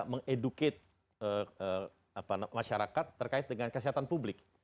berpengaruh terkait dengan kesehatan publik